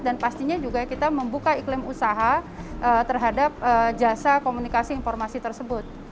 dan pastinya juga kita membuka iklim usaha terhadap jasa komunikasi informasi tersebut